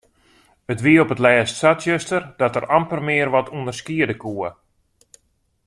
It wie op 't lêst sa tsjuster dat er amper mear wat ûnderskiede koe.